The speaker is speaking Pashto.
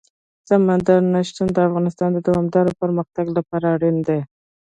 سمندر نه شتون د افغانستان د دوامداره پرمختګ لپاره اړین دي.